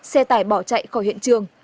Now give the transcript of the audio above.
xe tải bỏ chạy khỏi hiện trường